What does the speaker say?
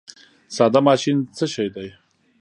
ساده ماشین څه شی دی؟